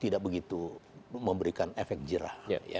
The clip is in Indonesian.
tidak begitu memberikan efek jerah